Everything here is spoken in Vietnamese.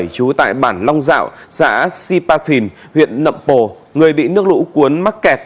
chú tại bản long dạo xã sipafin huyện nậm pồ người bị nước lũ cuốn mắc kẹt